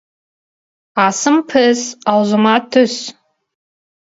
Асым піс, аузыма түс.